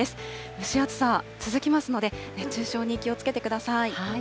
蒸し暑さは続きますので、熱中症に気をつけてください。